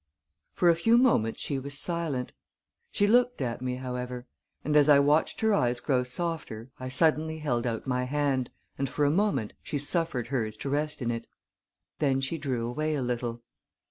For a few moments she was silent. She looked at me however; and as I watched her eyes grow softer I suddenly held out my hand, and for a moment she suffered hers to rest in it. Then she drew away a little.